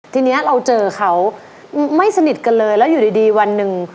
ทีนี้เราเจอเขาไม่สนิทกันเลยแล้วอยู่ดีวันหนึ่ง